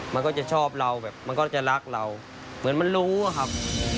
มันก็จะชอบเรารักเราเหมือนมันรู้ครับ